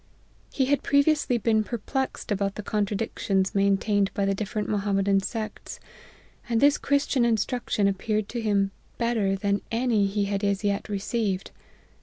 He had previously been perplexed about the contradic tions maintained by the different Mohammedan sects, and this Christian instruction appeared to him better than any he had as yet received.